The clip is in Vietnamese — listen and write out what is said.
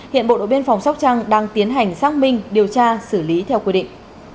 hiện bộ đội biên phòng sóc trăng đang tiến hành xác minh điều tra xử lý theo quy định